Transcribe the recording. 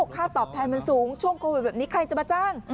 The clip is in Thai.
ค่าตอบแทนมันสูงช่วงโควิดแบบนี้ใครจะมาจ้าง